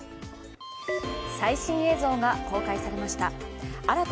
最新映像が公開されました。